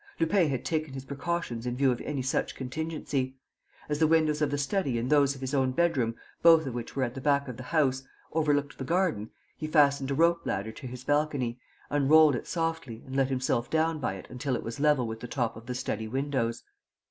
Lupin had taken his precautions in view of any such contingency. As the windows of the study and those of his bedroom, both of which were at the back of the house, overlooked the garden, he fastened a rope ladder to his balcony, unrolled it softly and let himself down by it until it was level with the top of the study windows.